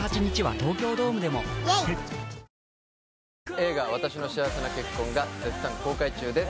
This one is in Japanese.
映画「わたしの幸せな結婚」が絶賛公開中です